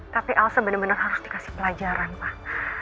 tapi elsa bener bener harus dikasih pelajaran pak